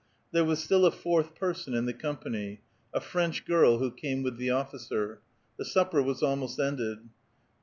There was still a fourth person in the company, — a French girl who came with the officer. The supper was almost ended.